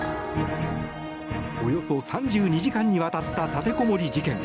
およそ３２時間にわたった立てこもり事件。